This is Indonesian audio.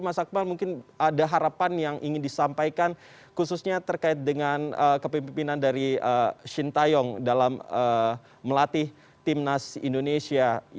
mas akmal mungkin ada harapan yang ingin disampaikan khususnya terkait dengan kepemimpinan dari sintayong dalam melatih tim nasional indonesia ya